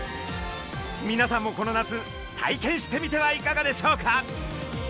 みなさんもこの夏体験してみてはいかがでしょうか？